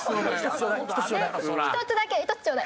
１つだけ１つちょうだい！